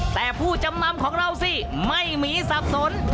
แต่ผู้จำนำของเราสิไม่มีสับสน